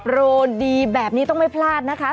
โรดีแบบนี้ต้องไม่พลาดนะคะ